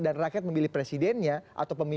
dan rakyat memilih presidennya atau pemilihan